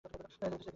কিছু টের পেলে?